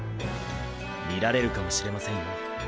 見られるかもしれませんよ。